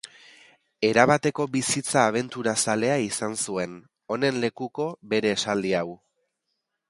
Erabateko bizitza abenturazalea izan zuen, honen lekuko bere esaldi hau.